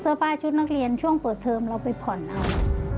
ป้าชุดนักเรียนช่วงเปิดเทอมเราไปผ่อนเอา